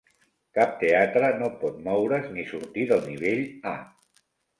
Cap teatre no pot moure's ni sortir del nivell "A".